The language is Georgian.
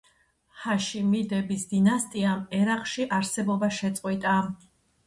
ჰაშიმიდების დინასტიამ ერაყში არსებობა შეწყვიტა.